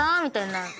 みたいな。